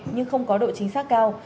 nhưng không có độ chính xác cao